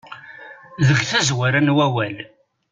Deg tazwara n wawal.